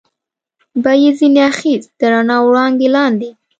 به یې ځنې اخیست، د رڼا وړانګې لاندې.